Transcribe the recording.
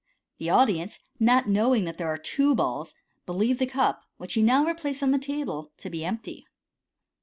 The audience, not knowing that there are two balls, believe the cup, which you now replace on the table, to be empty.